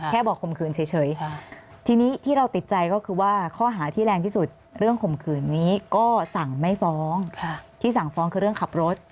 แค่บอกข่มขืนเฉยทีนี้ที่เราติดใจก็คือว่าข้อหาที่แรงที่สุดเรื่องข่มขืนนี้ก็สั่งไม่ฟ้องที่สั่งฟ้องคือเรื่องขับรถ